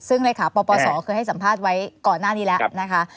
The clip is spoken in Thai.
ซึ่งเลขาปปศเคยให้สัมภาษณ์ไว้ก่อนหน้านี้แล้วนะคะ